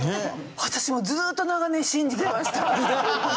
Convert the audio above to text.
私もうずっと長年信じてました。